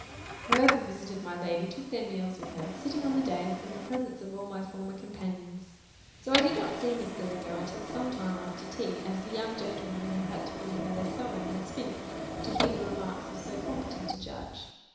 Whoever visited my lady took their meals with her, sitting on the dais, in the presence of all my former companions. So I did not see Miss Galindo until some time after tea; as the young gentlewomen had had to bring her their sewing and spinning, to hear the remarks of so competent a judge.